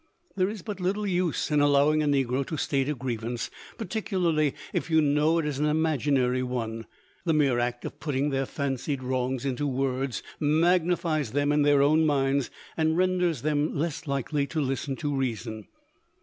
There is but little use in allowing a negro to state a grievance, particularly if you know it is an imaginary one. The mere act of putting their fancied wrongs into words magnifies them in their own minds, and renders them less likely to listen to reason.